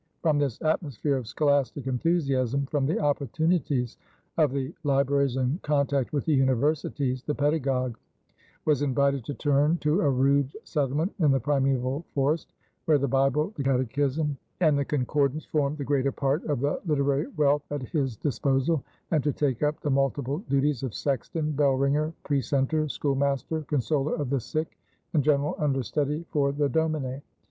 From this atmosphere of scholastic enthusiasm, from the opportunities of the libraries and contact with the universities, the pedagogue was invited to turn to a rude settlement in the primeval forest, where the Bible, the catechism, and the concordance formed the greater part of the literary wealth at his disposal, and to take up the multiple duties of sexton, bell ringer, precentor, schoolmaster, consoler of the sick, and general understudy for the domine.